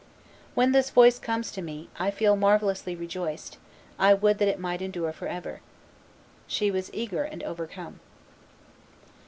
When this voice comes to me, I feel marvellously rejoiced; I would that it might endure forever." She was eager and overcome.